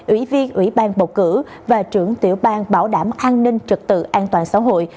ủy viên ủy ban bầu cử và trưởng tiểu ban bảo đảm an ninh trật tự an toàn xã hội